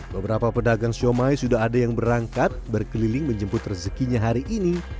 beberapa pedagang siomay sudah ada yang berangkat berkeliling menjemput rezekinya hari ini